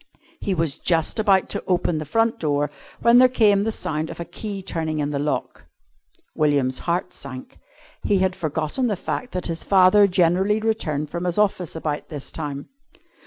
He was just about to open the front door when there came the sound of a key turning in the lock. William's heart sank. He had forgotten the fact that his father generally returned from his office about this time.